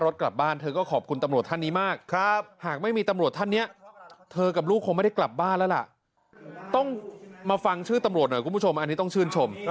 ต้องมาฟังชื่อตำรวจเลยคุณผู้ชม